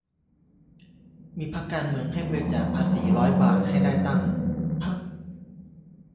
มีพรรคการเมืองให้บริจาคภาษีร้อยบาทให้ได้ตั้ง พรรค